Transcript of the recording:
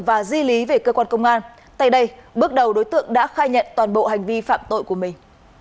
và di lý về cơ quan công an tại đây bước đầu đối tượng đã khai nhận toàn bộ hành vi phạm tội của mình